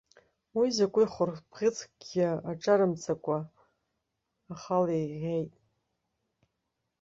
Уи закәи, хәырбӷьыцкгьы аҿарымҵакәа ахала иӷьеит.